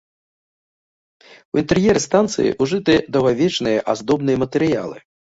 У інтэр'еры станцыі ужытыя даўгавечныя аздобныя матэрыялы.